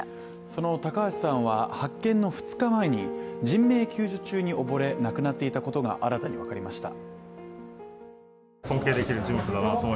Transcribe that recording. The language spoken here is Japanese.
その高橋さんは発見の２日前に人命救助中に溺れ、亡くなっていたことが新たに分かりました。